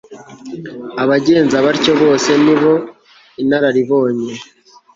abagenza batyo bose ni bo inararibonye